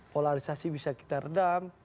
polarisasi bisa kita redam